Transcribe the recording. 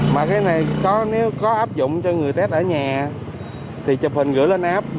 mà cái này có nếu có áp dụng cho người test ở nhà thì chụp hình gửi lên app